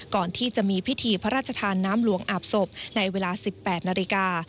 ก่อนที่จะมีพิธีพระราชทานน้ำหลวงอาบศพในเวลา๑๘นาฬิกา